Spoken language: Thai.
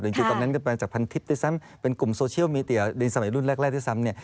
จริงตอนนั้นก็มาจากพันทิพย์ที่สามเป็นกลุ่มโซเชียลมีเตียในสมัยรุ่นแรกที่สาม